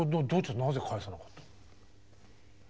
なぜ返さなかった？